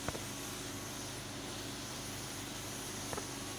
এমনকি পরে এদের দেশছাড়াও করা হয়।